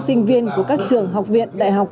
sinh viên của các trường học viện đại học